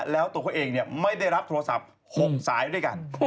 แล้วตัวเขาเองไม่ได้รับโทรศัพท์๖สายด้วยกัน